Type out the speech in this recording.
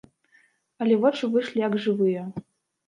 Але вочы выйшлі як жывыя.